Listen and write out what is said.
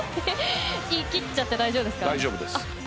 言い切っちゃって大丈夫ですか？